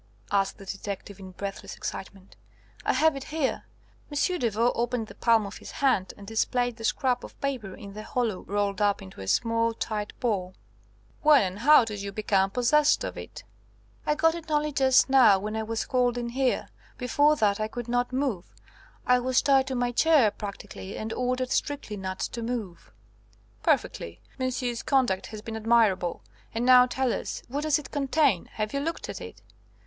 asked the detective in breathless excitement. "I have it here." M. Devaux opened the palm of his hand and displayed the scrap of paper in the hollow rolled up into a small tight ball. "When and how did you become possessed of it?" "I got it only just now, when I was called in here. Before that I could not move. I was tied to my chair, practically, and ordered strictly not to move." "Perfectly. Monsieur's conduct has been admirable. And now tell us what does it contain? Have you looked at it?"